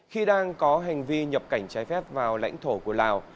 khi đang có hành vi nhập cảnh trái phép vào lãnh thổ của lào